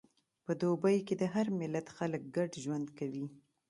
په دوبی کې د هر ملت خلک ګډ ژوند کوي.